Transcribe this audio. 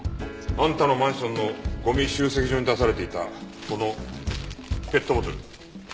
あんたのマンションのゴミ集積所に出されていたこのペットボトル。